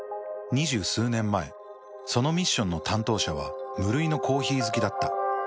２０数年前そのミッションの担当者は無類のコーヒー好きだった。